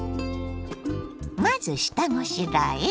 まず下ごしらえ。